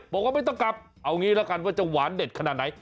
บอกว่าไม่ต้องกลับเอางี้แล้วกันว่าจะหวานเด็ดขนาดไหน